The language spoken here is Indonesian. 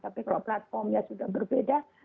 tapi kalau platformnya sudah berbeda